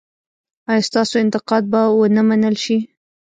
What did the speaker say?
ایا ستاسو انتقاد به و نه منل شي؟